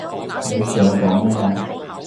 你想講咩？